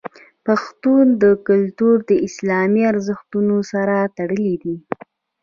پښتون کلتور د اسلامي ارزښتونو سره تړلی دی.